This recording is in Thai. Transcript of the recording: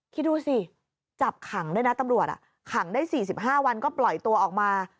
คิดดูสิจับขังด้วยนะตำรวจขังได้๔๕วันก็ปล่อยตัวออกมา